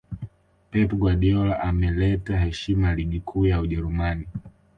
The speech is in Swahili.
pep guardiola ameleta heshima ligi kuu ya ujerumani